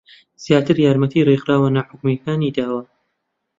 زیاتر یارمەتی ڕێکخراوە ناحوکمییەکانی داوە